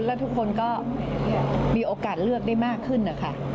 แล้วทุกคนก็มีโอกาสเลือกได้มากขึ้นนะคะ